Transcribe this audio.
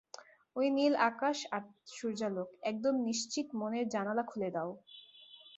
ঐ নীল আকাশ আর সূর্যালোক একদম নিশ্চিত মনের জানালা খুলে দাও!